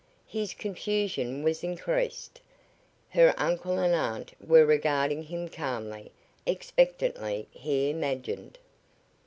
His confusion was increased. Her uncle and aunt were regarding him calmly, expectantly, he imagined.